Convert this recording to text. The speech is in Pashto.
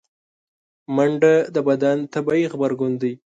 منډه د بدن طبیعي غبرګون دی